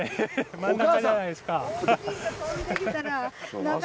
真ん中じゃないですか。